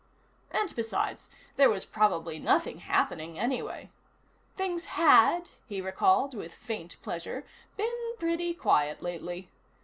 And, besides, there was probably nothing happening anyway. Things had, he recalled with faint pleasure, been pretty quiet lately.